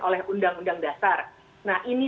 oleh undang undang dasar nah ini